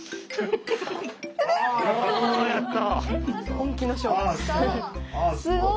本気の勝負。